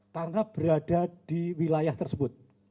karena berada di wilayah tersebut